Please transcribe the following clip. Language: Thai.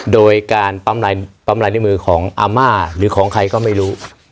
โดยการปั๊มลายนิ้วมือของอาม่าหรือของใครก็ไม่รู้